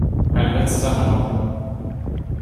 Eine letzte Sache noch.